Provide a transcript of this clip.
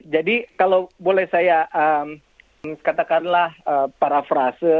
jadi kalau boleh saya katakanlah para frase